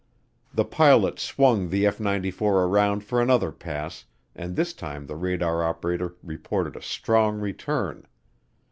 The pilot swung the F 94 around for another pass, and this time the radar operator reported a strong return.